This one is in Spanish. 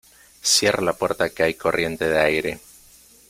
Cierra la puerta que hay corriente de aire.